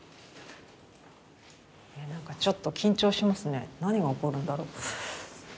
ちょっと緊張しますね何が起こるんだろう。